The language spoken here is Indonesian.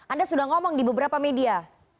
anda sudah ngomong di beberapa media